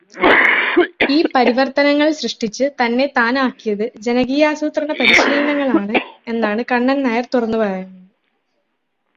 ഈ പരിവർത്തനങ്ങൾ സൃഷ്ടിച്ചു തന്നെ താനാക്കിയത് ജനകീയാസൂത്രണ പരിശീലനങ്ങളാണ് എന്നാണു കണ്ണന് നായർ തുറന്നു പറയുന്നത്.